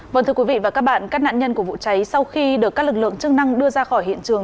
vâng thưa quý vị và các bạn các nạn nhân của vụ cháy sau khi được các lực lượng chức năng đưa ra khỏi hiện trường